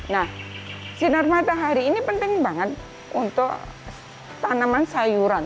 nah sinar matahari ini penting banget untuk tanaman sayuran